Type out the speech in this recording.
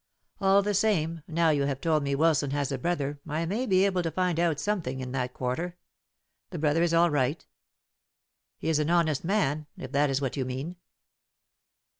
All the same, now you have told me Wilson has a brother I may be able to find out something in that quarter. The brother is all right?" "He is an honest man, if that is what you mean."